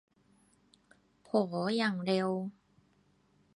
โห อย่างเร็ว